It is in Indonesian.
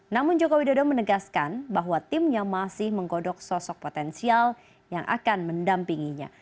namun joko widodo menegaskan bahwa timnya masih menggodok sosok potensial yang akan mendampinginya